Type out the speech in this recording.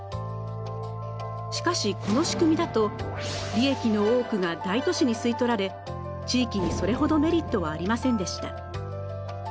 しかしこの仕組みだと利益の多くが大都市に吸い取られ地域にそれほどメリットはありませんでした。